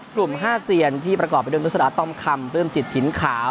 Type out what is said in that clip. กลุ่ม๕เสียนที่ประกอบไปด้วยนุษยาต้อมคำเพิ่มจิตถินขาว